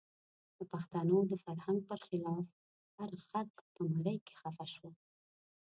د پښتنو د فرهنګ پر خلاف هر غږ په مرۍ کې خفه شو.